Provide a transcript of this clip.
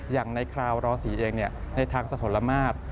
อย่างในคราวรศรีเองในทางสะทนละมาตร